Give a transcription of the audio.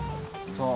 そう。